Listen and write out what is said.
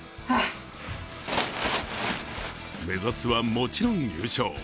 目指すはもちろん優勝。